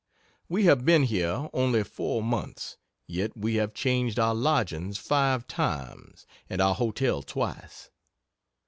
We have been here only four months, yet we have changed our lodgings five times, and our hotel twice.